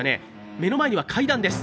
目の前には階段です。